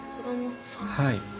はい。